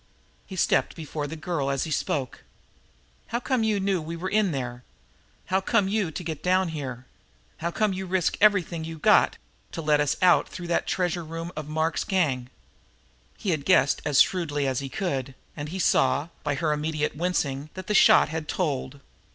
He stepped before the girl, as he spoke. "How come you knew we were in there? How come you to get down here? How come you to risk everything you got to let us out through the treasure room of Mark's gang?" He had guessed as shrewdly as he could, and he saw, by her immediate wincing, that the shot had told.